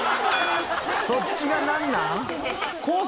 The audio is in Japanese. そっちがなんなん？